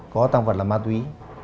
có tăng vật là ma túy